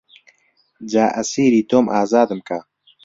جا ئەسیری تۆم ئازادم کە